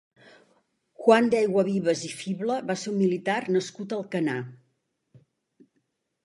Juan de Ayguavives i Fibla va ser un militar nascut a Alcanar.